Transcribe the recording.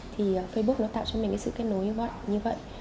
thì facebook nó tạo cho mình cái sự kết nối như vậy